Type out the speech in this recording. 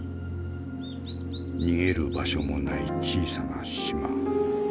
逃げる場所もない小さな島。